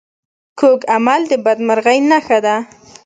کوږ عمل د بدمرغۍ نښه وي